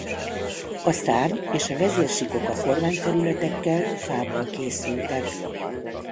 A szárny és a vezérsíkok a kormányfelületekkel fából készültek.